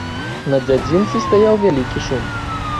На дзядзінцы стаяў вялікі шум.